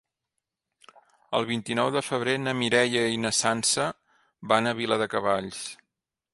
El vint-i-nou de febrer na Mireia i na Sança van a Viladecavalls.